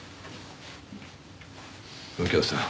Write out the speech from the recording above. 右京さん。